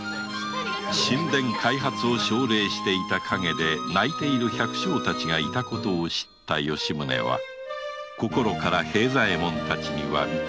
「新田開発」を奨励していた陰で泣いている百姓たちがいた事を知った吉宗は心から平左衛門たちに詫びた